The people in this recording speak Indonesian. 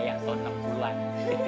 ya allah bang